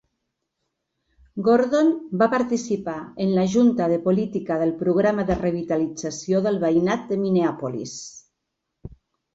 Gordon va participar en la junta de política del Programa de Revitalització del Veïnat de Minneapolis.